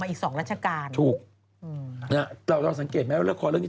นี่อัลละบูชาอีกหน่อย